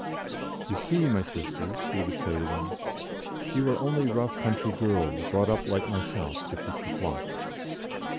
"You see, my sisters," he would say to them, "you are only rough country girls, brought up like myself to keep the flocks."